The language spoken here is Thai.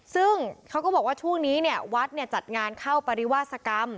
ซึ่งเขาก็บอกว่าช่วงนี้เนี่ยวัดจัดงานเข้าปริวาสกรรม